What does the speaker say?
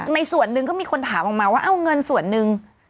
ในส่วนหนึ่งก็มีคนถามออกมาว่าเอ้าเงินส่วนหนึ่ง